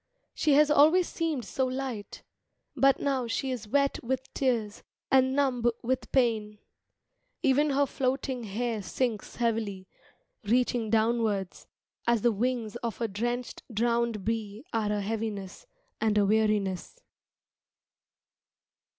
She has always seemed so light, But now she is wet with tears and numb with pain Even her floating hair sinks heavily, Reaching downwards; As the wings of a drenched, drowned bee Are a heaviness, and a weariness.